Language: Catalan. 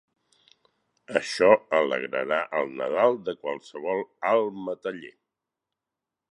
Això alegrarà el Nadal de qualsevol "alt-metaller".